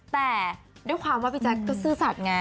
แต่ด้วยความว่าพี่แจ๊คก็ซื่อสัตว์ไง